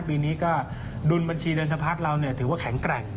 ปีนี้ก็ดุลบัญชีเงินสะพัดเราถือว่าแข็งแกร่ง